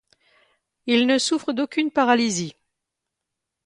Il ne souffre d’aucune paralysie.